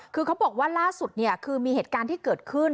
คือเขาบอกว่าล่าสุดเนี่ยคือมีเหตุการณ์ที่เกิดขึ้น